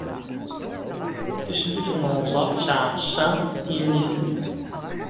Tislit n wenẓar tesɛa sa yiniten.